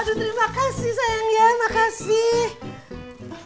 aduh terima kasih sayang ya makasih